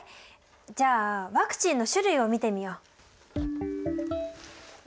じゃあワクチンの種類を見てみよう。